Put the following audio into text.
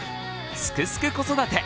「すくすく子育て」